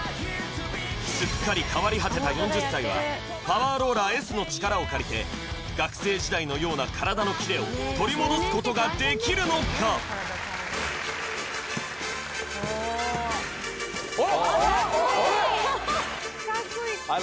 すっかり変わり果てた４０歳はパワーローラーＳの力を借りて学生時代のような体のキレを取り戻すことができるのかあらっあれ？